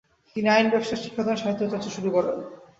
তিনি আইন ব্যবসা, শিক্ষাদান ও সাহিত্য চর্চা শুরু করেন।